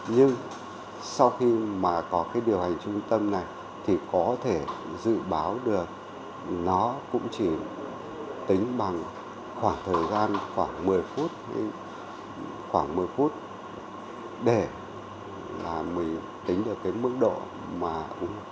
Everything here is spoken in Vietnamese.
nhưng sau khi mà có cái điều hành trung tâm này thì có thể dự báo được nó cũng chỉ tính bằng khoảng thời gian khoảng một mươi phút khoảng một mươi phút để tính được cái mức độ mà uống